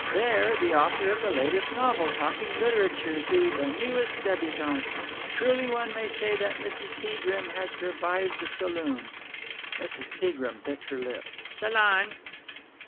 There, the author of the latest novel talking literature to the newest debutante. Truly one may say that Mrs. Peagrim has revived the saloon.'" Mrs. Peagrim bit her lip. "'Salon.'"